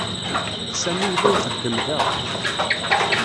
Sami yella ixeddem da.